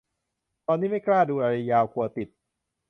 ตอนนี้ไม่กล้าดูอะไรยาว กลัวติด